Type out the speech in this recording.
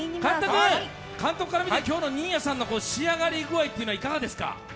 監督から見て、今日の新谷さんの仕上がり具合はいかがですか。